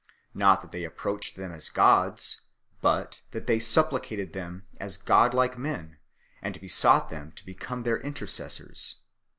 Not that they approached them as gods, but that they supplicated them as godlike men and besought them to become their intercessors.